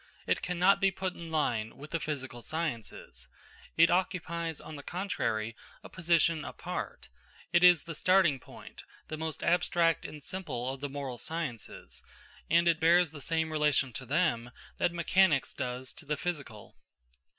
It cannot be put in line with the physical sciences. It occupies, on the contrary, a position apart. It is the starting point, the most abstract and simple of the moral sciences; and it bears the same relation to them that mechanics does to the physical.